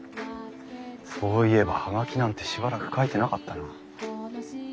そういえば葉書なんてしばらく書いてなかったな。